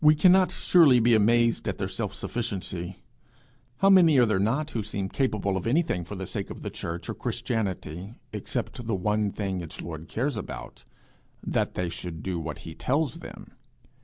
We cannot surely be amazed at their self sufficiency. How many are there not who seem capable of anything for the sake of the church or Christianity, except the one thing its Lord cares about that they should do what he tells them!